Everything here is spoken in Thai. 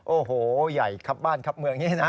โอ้โหใหญ่ขับบ้านขับเมืองอย่างนี้นะ